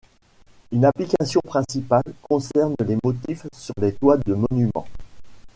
Une application principale concerne les motifs sur les toits de monuments.